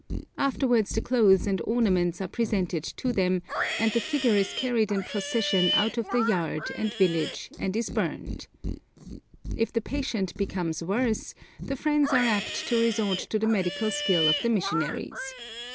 Afterwards the clothes and ornaments are presented to them, and the figure is carried in procession out of the yard and village and is burned. If the patient becomes worse, the friends are apt to resort to the medical skill of the missionaries.